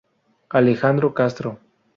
Alejandro Castro.